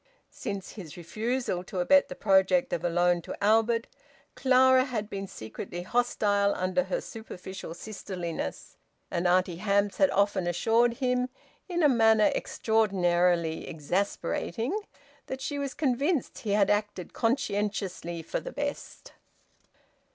Since his refusal to abet the project of a loan to Albert, Clara had been secretly hostile under her superficial sisterliness, and Auntie Hamps had often assured him, in a manner extraordinarily exasperating, that she was convinced he had acted conscientiously for the best.